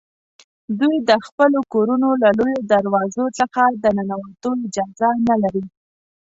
دوی د خپلو کورونو له لویو دروازو څخه د ننوتو اجازه نه لري.